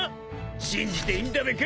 ［信じていいんだべか？